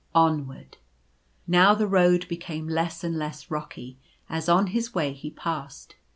Onward !" Now the road became less and less rocky, as on his way he passed.